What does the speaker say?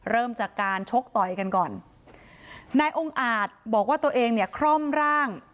เริ่มจากการชกต่อยกันก่อนนายองค์อาจบอกว่าตัวเองเนี่ยคร่อมร่าง